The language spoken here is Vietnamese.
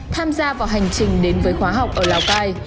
tham gia vào hành trình đến với khóa học ở lào cai